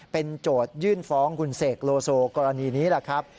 เป็นโจทยื่นฟ้องคุณเสกโลโซกรณีนี้แหละครับ